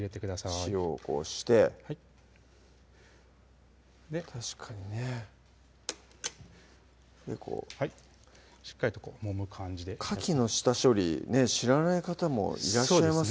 塩をこうして確かにねでこうしっかりともむ感じでかきの下処理ね知らない方もいらっしゃいますよね